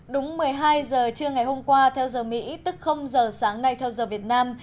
đúng một mươi hai h trưa ngày hôm qua theo giờ mỹ tức giờ sáng nay theo giờ việt nam